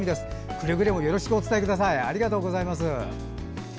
くれぐれもよろしくお伝えください。